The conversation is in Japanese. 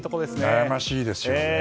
悩ましいですよね。